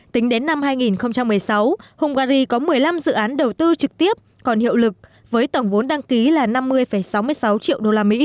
tính đến năm hai nghìn một mươi sáu hungary có một mươi năm dự án đầu tư trực tiếp còn hiệu lực với tổng vốn đăng ký là năm mươi sáu mươi sáu triệu usd